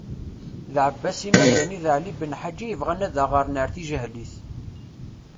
D ɛebbasi Madani d ɛli Benḥaǧ i yebɣan ad aɣ-erren ar tijehlit.